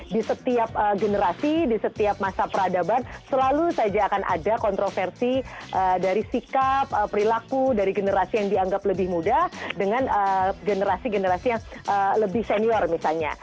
di setiap generasi di setiap masa peradaban selalu saja akan ada kontroversi dari sikap perilaku dari generasi yang dianggap lebih muda dengan generasi generasi yang lebih senior misalnya